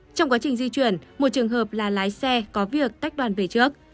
trong quá trình di chuyển một trường hợp là lái xe có việc tách đoàn về trước